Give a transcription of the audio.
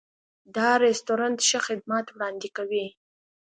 دا رستورانت ښه خدمات وړاندې کوي.